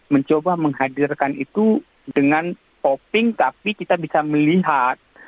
mencoba menghadirkan itu dengan topping tapi kita bisa melihat